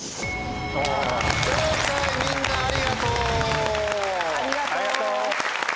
正解みんなありがとう。